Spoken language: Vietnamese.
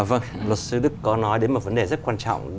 vâng luật sư đức có nói đến một vấn đề rất quan trọng